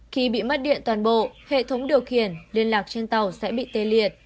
khi bị mất điện toàn bộ hệ thống điều khiển liên lạc trên tàu sẽ bị tê liệt